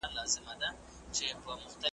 دومره د فلک تر شنې مېچني لاندي تللی یم .